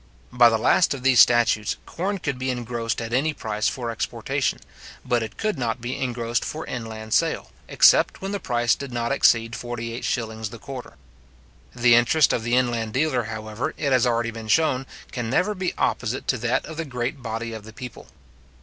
By the last of these statutes, corn could be engrossed at any price for exportation; but it could not be engrossed for inland sale, except when the price did not exceed 48s. the quarter. The interest of the inland dealer, however, it has already been shown, can never be opposite to that of the great body of the people.